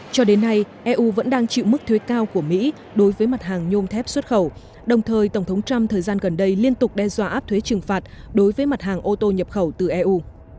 cho đến nay eu vẫn đang chịu mức thuế cao của mỹ đối với mặt hàng nhôm thép xuất khẩu đồng thời tổng thống trump thời gian gần đây liên tục đe dọa áp thuế trừng phạt đối với mặt hàng ô tô nhập khẩu từ eu